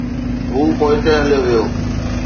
هو پوئتي هليو ويو.